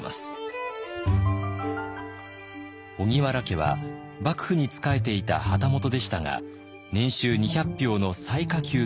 荻原家は幕府に仕えていた旗本でしたが年収２００俵の最下級の家柄。